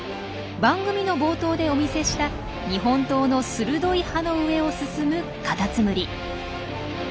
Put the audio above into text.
番組の冒頭でお見せした日本刀の鋭い刃の上を進むカタツムリ。